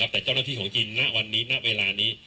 แต่เจ้าหน้าที่ของจีนณวันนี้ณเวลานี้